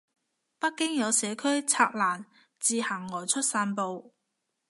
北京有社區拆欄自行外出散步